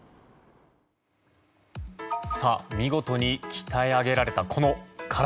見事に鍛え上げられたこの体。